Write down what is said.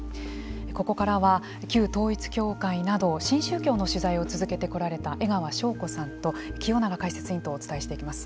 ここからは、旧統一教会など新宗教の取材を続けてこられた江川紹子さんと清永解説委員とお伝えしていきます。